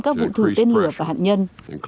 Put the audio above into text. các vụ thù tên lửa và hạn nhân